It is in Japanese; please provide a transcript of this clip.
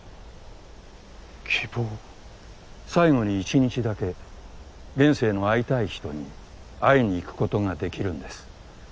最後に１日だけ現世の会いたい人に会いに行くことができるんです。